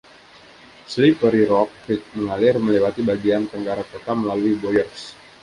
Slippery Rock Creek mengalir melewati bagian tenggara kota melalui Boyers.